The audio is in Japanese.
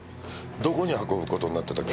どこに運ぶ事になってたっけ？